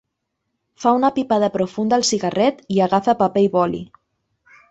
Fa una pipada profunda al cigarret i agafa paper i boli.